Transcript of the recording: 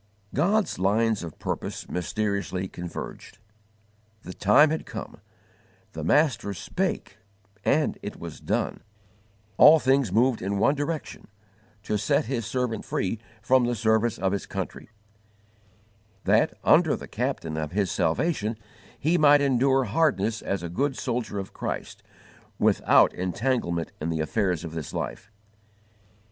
_ God's lines of purpose mysteriously converged. The time had come; the Master spake and it was done: all things moved in one direction to set His servant free from the service of his country, that, under the Captain of his salvation, he might endure hardness as a good soldier of Christ, without entanglement in the affairs of this life.